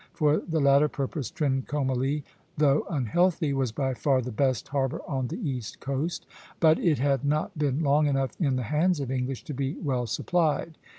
For the latter purpose, Trincomalee, though unhealthy, was by far the best harbor on the east coast; but it had not been long enough in the hands of England to be well supplied.